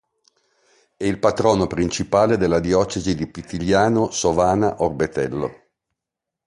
È il patrono principale della diocesi di Pitigliano-Sovana-Orbetello.